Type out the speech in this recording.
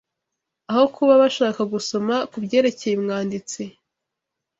aho kuba bashaka gusoma kubyerekeye umwanditsi